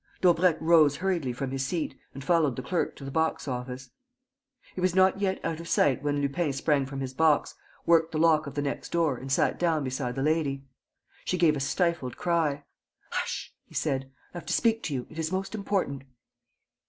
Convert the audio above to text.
Daubrecq rose hurriedly from his seat and followed the clerk to the box office. He was not yet out of sight when Lupin sprang from his box, worked the lock of the next door and sat down beside the lady. She gave a stifled cry. "Hush!" he said. "I have to speak to you. It is most important."